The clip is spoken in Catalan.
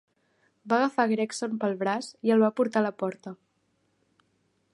Va agafar Gregson pel braç i el va portar a la porta.